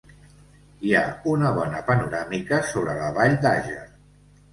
Hi ha una bona panoràmica sobre la vall d'Àger.